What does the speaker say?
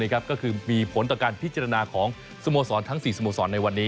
ก็คือมีผลต่อการพิจารณาของสโมสรทั้ง๔สโมสรในวันนี้